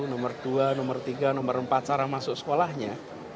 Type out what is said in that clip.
nomor dua nomor tiga nomor empat cara masuk sekolahnya